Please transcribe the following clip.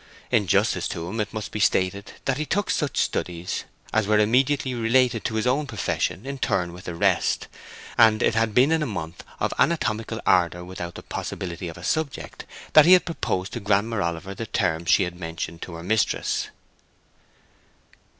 In justice to him it must be stated that he took such studies as were immediately related to his own profession in turn with the rest, and it had been in a month of anatomical ardor without the possibility of a subject that he had proposed to Grammer Oliver the terms she had mentioned to her mistress.